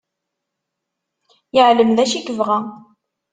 Yeɛlem d acu i yebɣa.